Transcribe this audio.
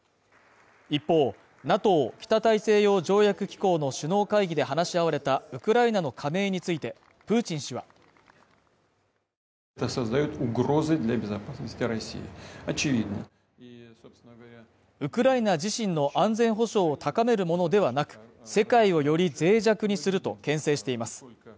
一方、ＮＡＴＯ＝北大西洋条約機構の首脳会議で話し合われたウクライナの加盟について、プーチン氏はウクライナ自身の安全保障を高めるものではなく、世界をより脆弱にすると牽制しています。